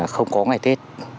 không có ngày tết